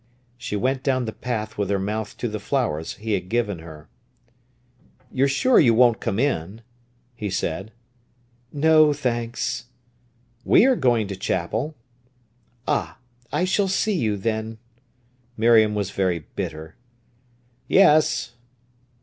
She went down the path with her mouth to the flowers he had given her. "You're sure you won't come in?" he said. "No, thanks." "We are going to chapel." "Ah, I shall see you, then!" Miriam was very bitter. "Yes."